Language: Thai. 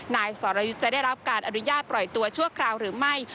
นายสรยุทธ์จะได้รับการอนุญาตปล่อยตัวชั่วคราวหรือไม่